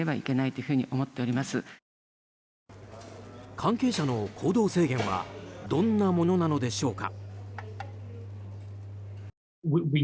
関係者の行動制限はどんなものなのでしょうか。